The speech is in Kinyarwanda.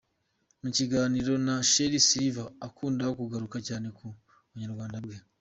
Mu kiganiro na Sherrie Silver akunda kugaruka cyane ku ‘bunyarwanda bwe’.